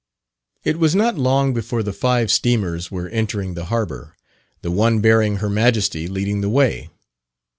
It was not long before the five steamers were entering the harbour, the one bearing Her Majesty leading the way.